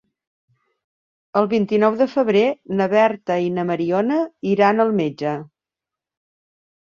El vint-i-nou de febrer na Berta i na Mariona iran al metge.